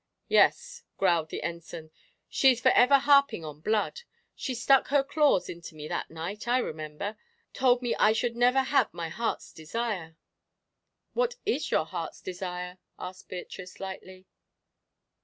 "Yes," growled the Ensign; "she's for ever harping on blood. She stuck her claws into me that night, I remember told me I should never have my heart's desire." "What is your heart's desire?" asked Beatrice, lightly.